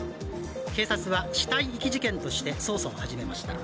警察は死体遺棄事件として捜査を始めました。